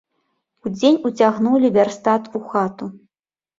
Удзень уцягнулі вярстат у хату.